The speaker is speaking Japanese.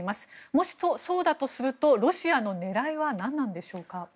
もしそうだとするとロシアの狙いは何なのでしょうか。